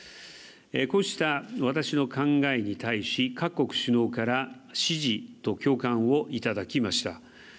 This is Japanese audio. こうした私の考えに対し各国首脳から支持と共感をいただきました。